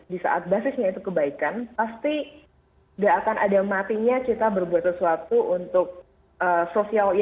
di saat basisnya itu kebaikan pasti gak akan ada matinya kita berbuat sesuatu untuk sosialisasi